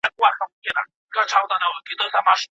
دوی د عدل په اړه ږغيدل.